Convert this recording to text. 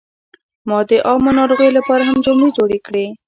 ما د عامو ناروغیو لپاره هم جملې جوړې کړې.